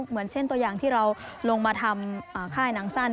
เหมือนเช่นตัวอย่างที่เราลงมาทำค่ายหนังสั้น